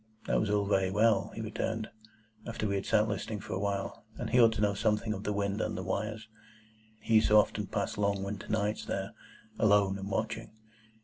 That was all very well, he returned, after we had sat listening for a while, and he ought to know something of the wind and the wires,—he who so often passed long winter nights there, alone and watching.